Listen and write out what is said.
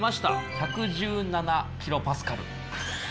１１７キロパスカル。